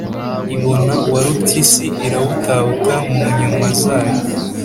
ibona warupyisi irabutabuta mu nyuma zayo!